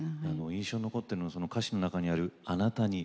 印象に残ってるのはその歌詞の中にある「あなたに」